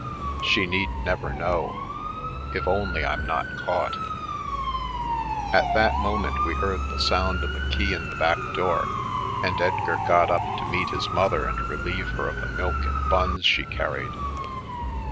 She need never know, if only I'm not caught." At that moment we heard the sound of a key in the back door, and Edgar got up to meet his mother and relieve her of the milk and buns she carried.